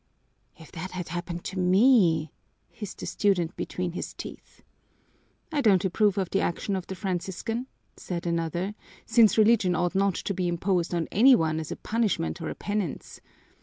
"If that had happened to me " hissed a student between his teeth. "I don't approve of the action of the Franciscan," said another, "since Religion ought not to be imposed on any one as a punishment or a penance.